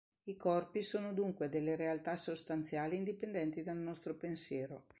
I corpi sono dunque delle realtà sostanziali indipendenti dal nostro pensiero.